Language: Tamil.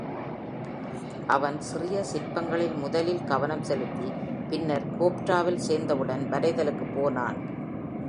அவன் சிறிய சிற்பங்களில் முதலில் கவனம் செலுத்தி, பின்னர் கோப்ரா-வில் சேர்ந்தவுடன் வரைதலுக்குப் போனான்.